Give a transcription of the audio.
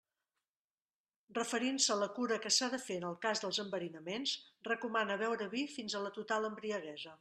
Referint-se a la cura que s'ha de fer en el cas dels enverinaments, recomana beure vi fins a la total embriaguesa.